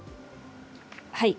はい。